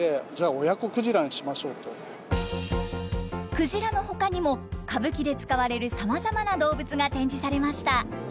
クジラのほかにも歌舞伎で使われるさまざまな動物が展示されました。